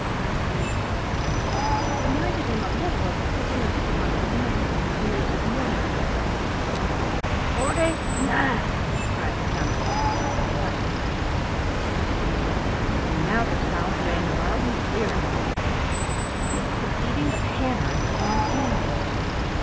clink clank! It reminded him a little of the ticking of the clock on the mantle, only it was more metallic. "FORTY NINE!" cried the Counterpane Fairy, clapping her hands. And now the sound rang loud and clear in Teddy's ears; it was the beating of hammers upon anvils.